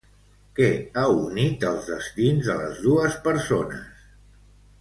Què ha unit els destins de les dues persones?